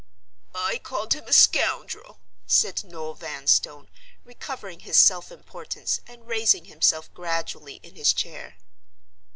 "I called him a scoundrel," said Noel Vanstone, recovering his self importance, and raising himself gradually in his chair.